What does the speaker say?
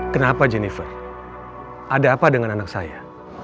kenapa jennifer ada apa dengan anak saya